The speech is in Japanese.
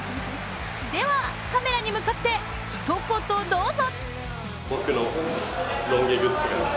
では、カメラに向かってひと言、どうぞ！